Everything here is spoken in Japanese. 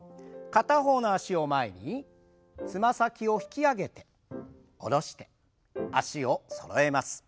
片方の脚を前につま先を引き上げて下ろして脚をそろえます。